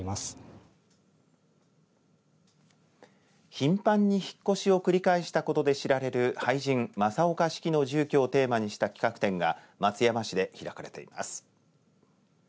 頻繁に引っ越しを繰り返したことで知られる俳人正岡子規の住居をテーマにした企画展が松山市で開かれています。